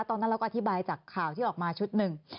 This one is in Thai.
ตอนนั้นเราก็อธิบายจากข่าวที่ออกมาชุดหนึ่ง